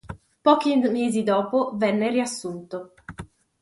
Pochi mesi dopo venne riassunto.